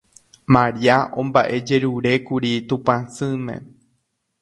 Maria omba'ejerurékuri Tupãsýme.